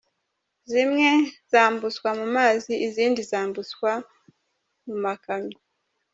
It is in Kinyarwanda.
Zimwe zambutswa mu mazi, izindi zambutswa mu makamyo.